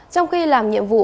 trong khi làm nhiệm vụ